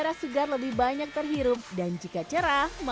nah dia sedikit ber stragin travel dengan berbeda